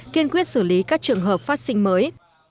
kiên quyết xử lý các trường hợp phát sinh mới